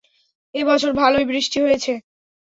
এ বছর ভালোই বৃষ্টি হয়েছে।